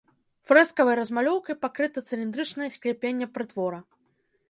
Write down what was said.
Фрэскавай размалёўкай пакрыта цыліндрычнае скляпенне прытвора.